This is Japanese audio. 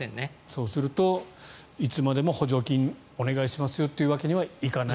そうするといつまでも補助金をお願いしますよというわけにはいかないと。